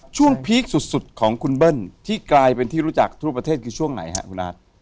พีคสุดของคุณเบิ้ลที่กลายเป็นที่รู้จักทั่วประเทศคือช่วงไหนฮะคุณอาร์ต